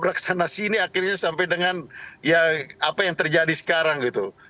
raksana sini akhirnya sampai dengan ya apa yang terjadi sekarang gitu